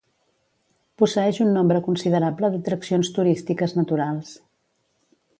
Posseeix un nombre considerable d'atraccions turístiques naturals.